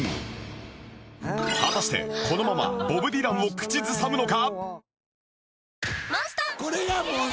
果たしてこのままボブ・ディランを口ずさむのか？